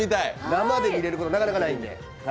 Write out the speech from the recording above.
生で見れることなかなかないんで。